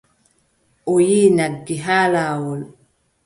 A yiʼi nagge haa laawol.